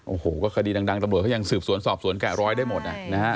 โอ้โหก็คดีดังตำรวจเขายังสืบสวนสอบสวนแกะรอยได้หมดนะฮะ